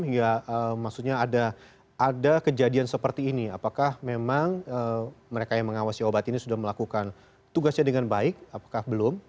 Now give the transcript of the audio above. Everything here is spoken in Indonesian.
hingga maksudnya ada kejadian seperti ini apakah memang mereka yang mengawasi obat ini sudah melakukan tugasnya dengan baik apakah belum